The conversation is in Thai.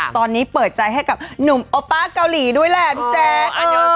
ตอนนี้เปิดใจให้กับหนุ่มโอป้าเกาหลีด้วยแหละพี่แจ๊ค